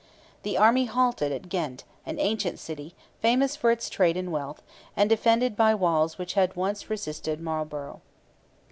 The army halted at Ghent, an ancient city, famous for its trade and wealth, and defended by walls which had once resisted Marlborough.